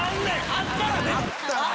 あったらね。